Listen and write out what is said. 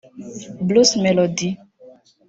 Bruce Melodie